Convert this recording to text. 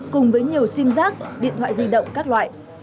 cùng với nhiều sim giác điện thoại di động các loại